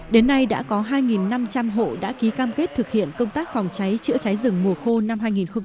đến nay đã có hai năm trăm linh hộ đã ký cam kết thực hiện công tác phòng cháy chữa cháy rừng mùa khô năm hai nghìn hai mươi